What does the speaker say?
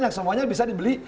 yang semuanya bisa dibeli